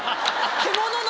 獣の？